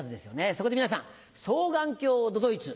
そこで皆さん双眼鏡都々逸。